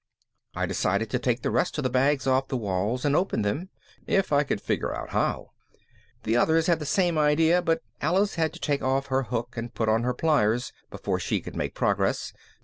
I decided to take the rest of the bags off the walls and open them, if I could figure out how. The others had the same idea, but Alice had to take off her hook and put on her pliers, before she could make progress.